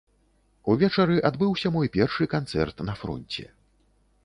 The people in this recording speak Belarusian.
Увечары адбыўся мой першы канцэрт на фронце.